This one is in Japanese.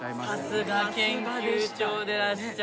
さすが研究長でらっしゃる。